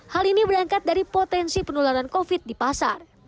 hal ini berangkat dari potensi penularan covid di pasar